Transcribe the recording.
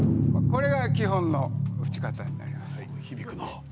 これが基本の打ち方になります。